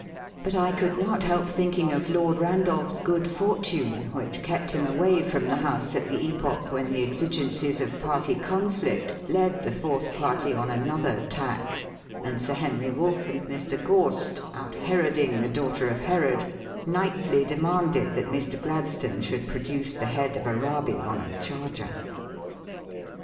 But I could not help thinking of Lord Eandolph's good fortune which kept him away from the House at the epoch when the exigencies of party conflict led the Fourth Party on another tack, and Sir Henry Wolff and Mr. Gorst, out Heroding the daughter of Herod, nightly demanded that Mr. Gladstone should produce the head of Arabi on a charger.